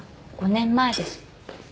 ５年前です。